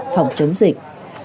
phòng chống dịch